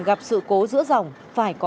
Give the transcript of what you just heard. gặp sự cố giữa dòng phải có